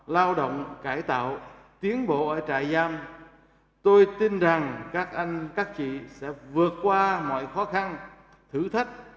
lao động cải tạo tiến bộ ở trại giam tôi tin rằng các anh các chị sẽ vượt qua mọi khó khăn thử thách